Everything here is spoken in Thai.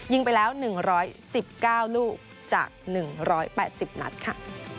ยิงไปแล้ว๑๑๙ลูกจาก๑๘๐นัดค่ะ